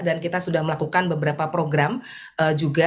dan kita sudah melakukan beberapa program juga